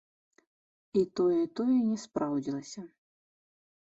І тое, і тое не спраўдзілася.